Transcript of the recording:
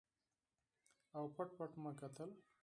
او پټ پټ مې کتل.